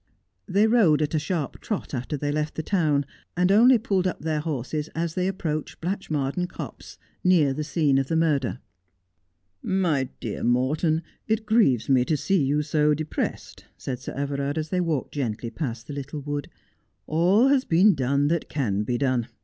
They rode at a sharp trot after they left the town, and only pulled up their horses as they approached Blatchmardean Copse, near the scene of the murder. ' My dear Morton, it grieves me to see you so depressed,' said Sir Everard, as they walked gently past the little wood. ' All has been done that can be done.